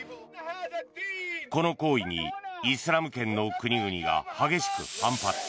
この行為にイスラム圏の国々が激しく反発。